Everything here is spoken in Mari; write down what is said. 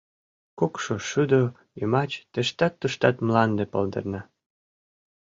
Кукшо шудо йымач тыштат-туштат мланде палдырна.